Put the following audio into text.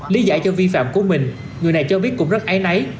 lý giải cho vi phạm của mình người này cho biết cũng rất ái náy